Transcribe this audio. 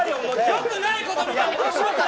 良くないことみたいに。